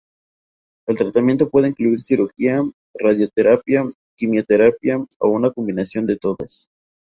El tratamiento puede incluir cirugía, radioterapia, quimioterapia o una combinación de todas.